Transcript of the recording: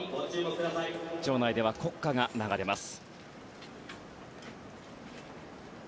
場内では国歌が流れます。